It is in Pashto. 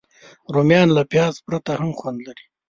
رومیان له پیاز پرته هم خوند لري